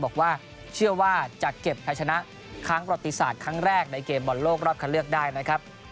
บอกว่าเชื่อว่าจะเก็บไทยชนะครั้งประติศาสตร์ครั้งแรกในเกมบอลโลกรอบคันเลือกได้นะครับ